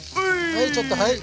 はいちょっとはい。